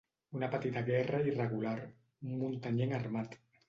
Una petita guerra irregular, un muntanyenc armat.